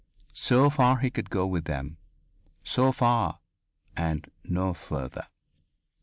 So far he could go with them. So far and no farther....